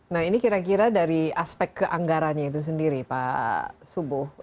nah ini kira kira dari aspek keanggarannya itu sendiri pak subuh